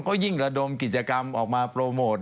ก็ยิ่งระดมกิจกรรมออกมาโปรโมท